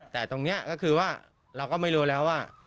แต่ตรงนี้ก็คือว่าเราก็ไม่รู้แล้วว่า